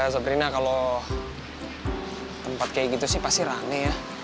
sabrina kalo tempat kayak gitu sih pasti rame ya